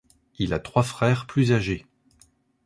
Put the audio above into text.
Il a trois frères plus âgés.